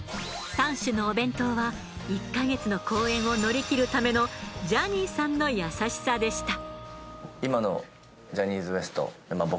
３種のお弁当は１ヵ月の公演を乗り切るためのジャニーさんの優しさでした。